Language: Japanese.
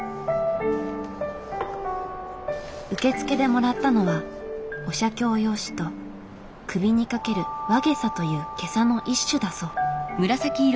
受付でもらったのはお写経用紙と首に掛ける輪袈裟という袈裟の一種だそう。